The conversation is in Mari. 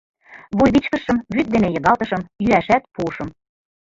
Вуйвичкыжшым вӱд дене йыгалтышым, йӱашат пуышым.